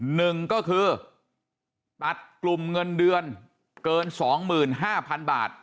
หนึ่งก็คือตัดกลุ่มเงินเดือนเกิน๒๕๐๐๐บาท